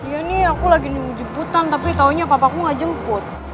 ya ini aku lagi di uji putang tapi taunya papa aku gak jemput